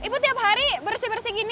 pertama kali bersih bersih gini